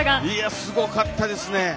すごかったですね。